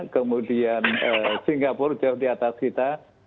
kemudian singapura jauh di atas kita